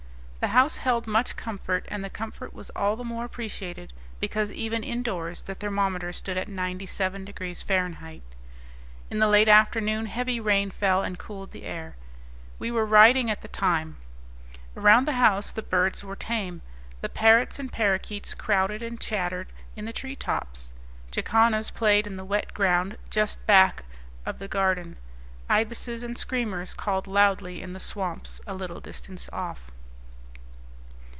The house held much comfort; and the comfort was all the more appreciated because even indoors the thermometer stood at 97 degrees F. In the late afternoon heavy rain fell, and cooled the air. We were riding at the time. Around the house the birds were tame: the parrots and parakeets crowded and chattered in the tree tops; jacanas played in the wet ground just back of the garden; ibises and screamers called loudly in the swamps a little distance off.